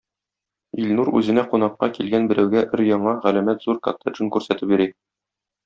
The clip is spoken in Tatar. Илнур үзенә кунакка килгән берәүгә өр-яңа, галәмәт зур коттеджын күрсәтеп йөри.